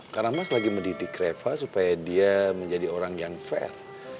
karena mas lagi mendidik reva supaya dia menjadi orang yang fair